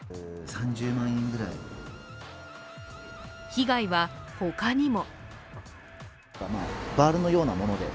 被害は他にも。